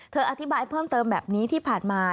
อธิบายเพิ่มเติมแบบนี้ที่ผ่านมา